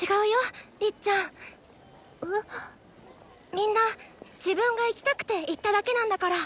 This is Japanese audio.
みんな自分が行きたくて行っただけなんだから！